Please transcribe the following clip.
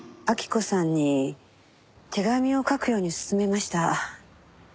晃子さんに手紙を書くように勧めました。